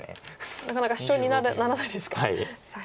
なかなかシチョウにならないですか左辺は。